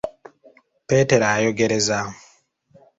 Peetero ayogereza.